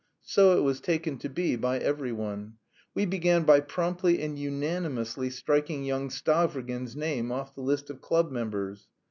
So it was taken to be by every one. We began by promptly and unanimously striking young Stavrogin's name off the list of club members.